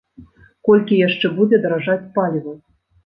Колькі яшчэ будзе даражаць паліва?